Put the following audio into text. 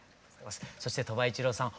そして鳥羽一郎さん